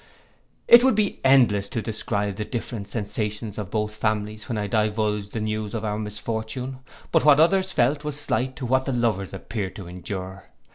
It would be endless to describe the different sensations of both families when I divulged the news of our misfortune; but what others felt was slight to what the lovers appeared to endure.